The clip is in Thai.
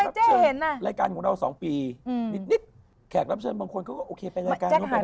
แขกรับเชิญรายการของเรา๒ปีนิดนิดแขกรับเชิญบางคนก็โอเคไปรายการ